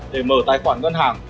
để mở tài khoản ngân hàng